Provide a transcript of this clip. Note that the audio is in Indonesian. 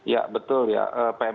ya betul ya